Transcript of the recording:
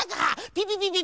ピピピピ